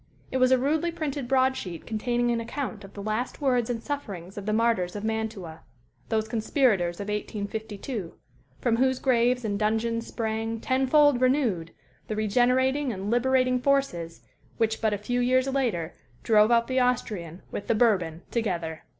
It was a rudely printed broadsheet containing an account of the last words and sufferings of the martyrs of Mantua those conspirators of 1852 from whose graves and dungeons sprang, tenfold renewed, the regenerating and liberating forces which, but a few years later, drove out the Austrian with the Bourbon, together.